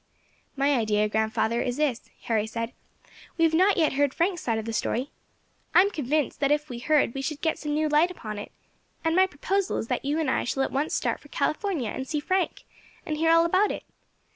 "My idea, grandfather, is this," Harry said. "We have not yet heard Frank's side of the story. I am convinced that if we heard that we should get some new light upon it; and my proposal is that you and I shall at once start for California and see Frank, and hear all about it.